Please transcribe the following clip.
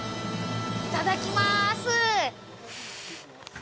いただきます。